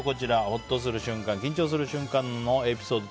ほっとする瞬間＆緊張する瞬間エピソード。